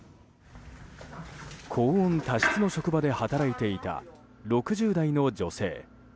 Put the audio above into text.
高温多湿の職場で働いていた６０代の女性。